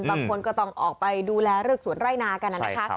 บางคนก็ต้องออกไปดูแลฤกษ์สวนไร่นากันนั้นนะคะ